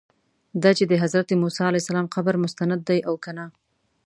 دا چې د حضرت موسی علیه السلام قبر مستند دی او که نه.